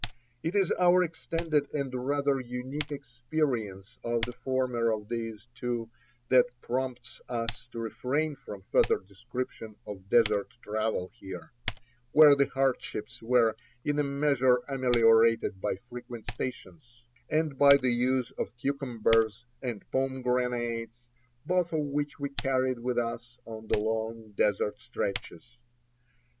It is our extended and rather unique experience on the former of these two that prompts us to refrain from further description of desert travel here, where the hardships were in a measure ameliorated by frequent stations, and by the use of cucumbers and pomegranates, both of which we carried with us on the long desert stretches.